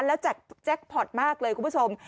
แล้วแจ็คพอร์ตมากเลยคุณผู้ชม